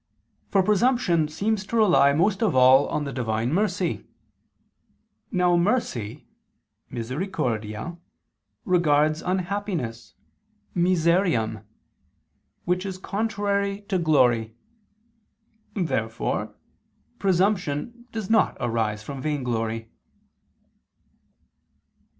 For presumption seems to rely most of all on the Divine mercy. Now mercy (misericordia) regards unhappiness (miseriam) which is contrary to glory. Therefore presumption does not arise from vainglory.